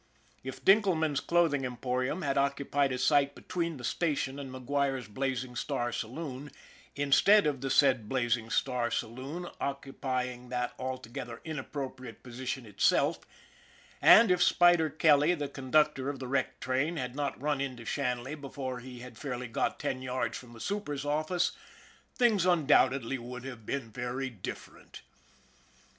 If Dinkelman's clothing emporium had occupied a site between the station and MacGuire's Blazing Star saloon, instead of the said Blazing Star saloon occupy ing that altogether inappropriate position itself, and if Spider Kelly, the conductor of the wrecked train, had not run into Shanley before he had fairly got ten yards from the super's office, things undoubtedly would have been very different.